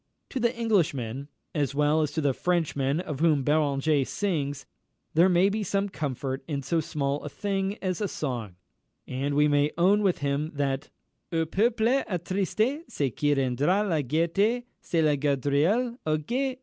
To the Englishman, as well as to the Frenchman of whom Beranger sings, there may be some comfort in so small a thing as a song, and we may own with him that "Au peuple attristé Ce qui rendra la gaîté, C'est la GAUDRIOLE! O gué!